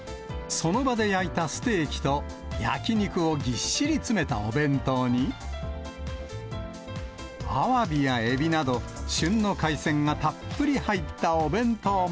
その場で焼いたステーキと、焼き肉をぎっしり詰めたお弁当に、アワビやエビなど、旬の海鮮がたっぷり入ったお弁当も。